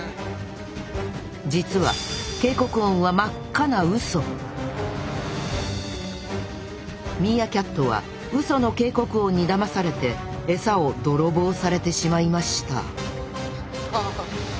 実は警告音は真っ赤なウソミーアキャットはウソの警告音にだまされてエサを泥棒されてしまいましたハハ。